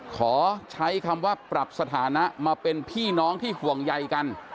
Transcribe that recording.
ขอใช้คำว่าปรับสถานะมาเป็นพี่น้องที่ห่วงใยกัน